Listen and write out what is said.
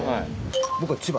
僕は千葉。